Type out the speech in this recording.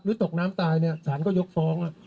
ตกน้ำตายเนี่ยสารก็ยกฟ้อง